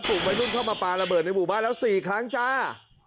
กลุ่มวัยรุ่นเข้ามาปลาระเบิดในหมู่บ้านแล้ว๔ครั้งจ้า